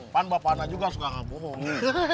pan bapak anak juga suka gak bohong